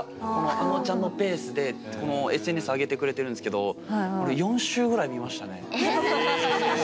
あのちゃんのペースでＳＮＳ上げてくれてるんですけど４周した？